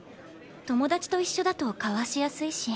友達と一緒だとかわしやすいし。